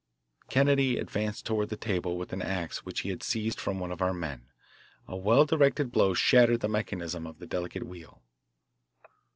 Kennedy advanced toward the table with an ax which he had seized from one of our men. A well directed blow shattered the mechanism of the delicate wheel.